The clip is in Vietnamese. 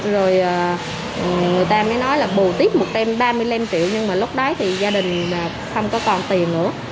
rồi người ta mới nói là bù tiếp một tem ba mươi năm triệu nhưng mà lúc đấy thì gia đình không có còn tiền nữa